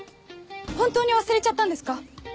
本当に忘れちゃったんですか？